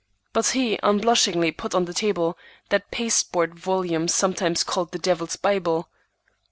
But he unblushingly put on the table that pasteboard volume sometimes called the Devil's Bible.